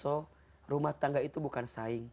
so rumah tangga itu bukan saing